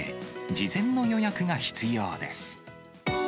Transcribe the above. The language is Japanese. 事前の予約が必要です。